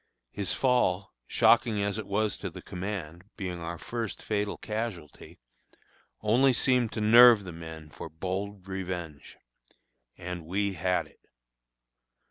His fall, shocking as it was to the command, being our first fatal casualty, only seemed to nerve the men for bold revenge. And we had it.